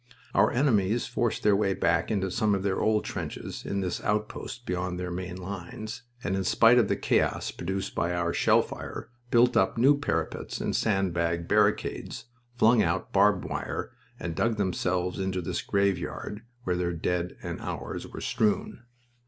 Our enemies forced their way back into some of their old trenches in this outpost beyond their main lines, and in spite of the chaos produced by our shell fire built up new parapets and sand bag barricades, flung out barbed wire, and dug themselves into this graveyard where their dead and ours were strewn.